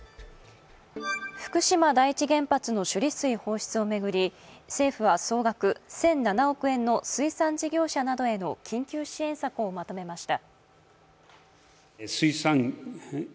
福島第一原発の処理水放出を巡り政府は総額１００７億円の水産事業者などへの緊急支援策をまとめました。